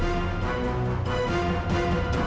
ya jadi gitu kan dia